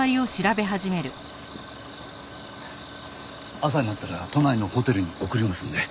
朝になったら都内のホテルに送りますので。